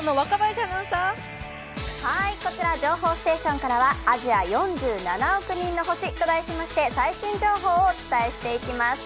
こちら情報ステーションからはアジア４７億人の星と題しまして最新情報をお伝えしていきます。